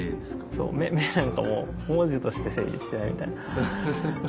「メ」なんかも文字として成立してないみたいな。